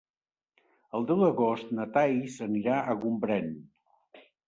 El deu d'agost na Thaís anirà a Gombrèn.